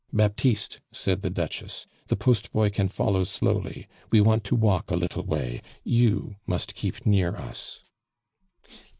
"Baptiste," said the Duchess, "the post boy can follow slowly; we want to walk a little way. You must keep near us."